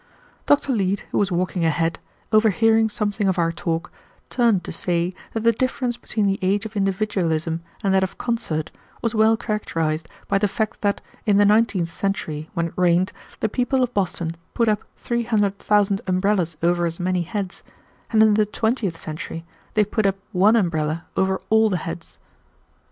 Dr. Leete, who was walking ahead, overhearing something of our talk, turned to say that the difference between the age of individualism and that of concert was well characterized by the fact that, in the nineteenth century, when it rained, the people of Boston put up three hundred thousand umbrellas over as many heads, and in the twentieth century they put up one umbrella over all the heads.